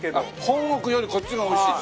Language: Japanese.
本国よりこっちが美味しい。